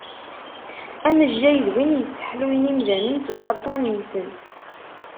Amejjay d win yesseḥluyen imdanen seg waṭṭan-nsen.